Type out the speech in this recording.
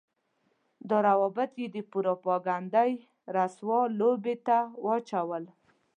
دا روابط يې د پروپاګنډۍ رسوا لوبې ته واچول.